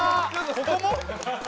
ここも？